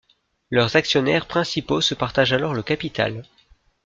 Leurs actionnaires principaux se partagent alors le capital.